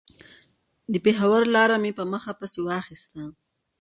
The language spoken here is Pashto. د پېښور لاره مې په مخه پسې واخيسته.